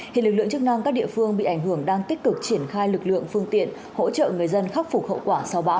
hiện lực lượng chức năng các địa phương bị ảnh hưởng đang tích cực triển khai lực lượng phương tiện hỗ trợ người dân khắc phục hậu quả sau bão